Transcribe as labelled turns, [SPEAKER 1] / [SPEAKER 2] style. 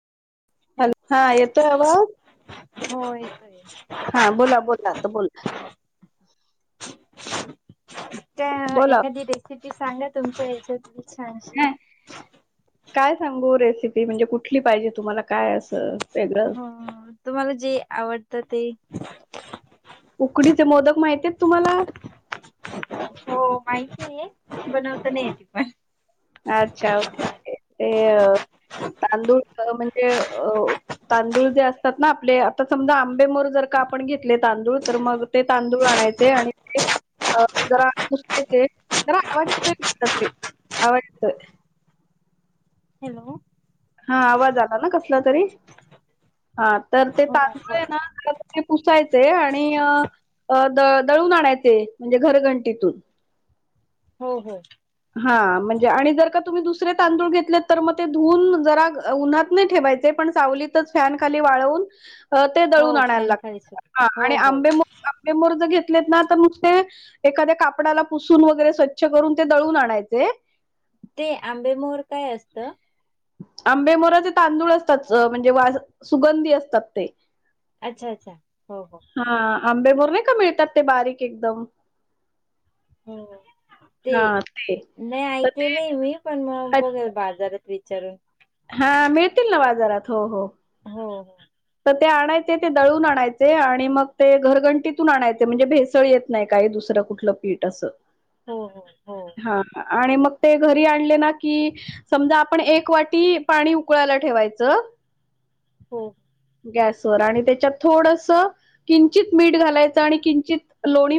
[SPEAKER 1] Hello, हा येतोय आवाज?
[SPEAKER 2] हो येतोय.
[SPEAKER 1] हा बोला बोला, तर बोला.
[SPEAKER 2] काय
[SPEAKER 1] बोला
[SPEAKER 2] एखादी रेसिपी सांगा तुमच्या हेच्यातली. छानशी.
[SPEAKER 1] ह काय सांगू रेसिपी! म्हणजे कुठली पाहिजे तुम्हाला काय असं? वेगळं
[SPEAKER 2] हो तुम्हाला जे आवडतं ते.
[SPEAKER 1] उकडीचे मोदक माहितीयेत तुम्हाला?
[SPEAKER 2] हो माहिती आहे. बनवता नाई येत पण
[SPEAKER 1] अच्छा, ओके ओके ते तांदूळ म्हणजे अ तांदूळ जे असतात ना आपले, आता समजा आंबे मोहर जर का आपण घेतले तांदूळ, तर मग ते तांदूळ आणायचे आणि ते अ जरा पुसकायचे, जरा आवाज येतोय एक ते. आवाज येतोय.
[SPEAKER 2] हॅलो.
[SPEAKER 1] हा आवाज आला ना कसला तरी? हा तर ते
[SPEAKER 2] हो
[SPEAKER 1] तांदूळ हाय
[SPEAKER 2] बोला.
[SPEAKER 1] ना जला तु हे पुसायचेय आणि हे अ द दळून आणायचे म्हणजे घरघंटीतून.
[SPEAKER 2] हो हो.
[SPEAKER 1] हा म्हणजे आणि जर का तुम्ही दुसरे तांदूळ घेतलेत, तर मग ते धुवून जरा उन्हात नाही ठेवायचं ते पण सावलीतच फँन खाली वाळवून,
[SPEAKER 2] हो
[SPEAKER 1] दळून आणायला
[SPEAKER 2] फॅनखाली सुट
[SPEAKER 1] लागतात
[SPEAKER 2] हो
[SPEAKER 1] आणि
[SPEAKER 2] हो
[SPEAKER 1] आंबेमो आंबेमोहर जर घेतलेत ना, तर नुसते एखाद्या कापडाला पुसून वगैरे स्वच्छ करून ते दळून आणायचे.
[SPEAKER 2] ते आंबे मोर काय असतं?
[SPEAKER 1] आंबे मोहरचे तांदूळ असतात म्हणजे वा सुगंधी असतात ते.
[SPEAKER 2] अच्छा अच्छा हो हो.
[SPEAKER 1] हा आंबेमोहर नाही का मिळतात ते बारीक एकदम.
[SPEAKER 2] ते
[SPEAKER 1] हां, ते.
[SPEAKER 2] नाही
[SPEAKER 1] तर
[SPEAKER 2] ऐकलं आहे
[SPEAKER 1] ते
[SPEAKER 2] मी. पण मग बघल बाजारात विचारून.
[SPEAKER 1] हा मिळतील ना बाजारात हो हो.
[SPEAKER 2] हो हो.
[SPEAKER 1] तर ते आणायचे ते दळून आणायचे आणि मग ते घरघंटीतून आणायचे म्हणजे भेसळ येत.. नाही काय दुसरं कुठलं पीठ असंत.
[SPEAKER 2] हो हो हो
[SPEAKER 1] हा आणि मग ते घरी आणले ना की, समजा आपण एक वाटी पाणी उकळायला ठेवायचं.
[SPEAKER 2] हो
[SPEAKER 1] गॅस वर आणि त्याच्यात थोडंसं किंचित मीठ घालायचं आणि किंचित लोणी..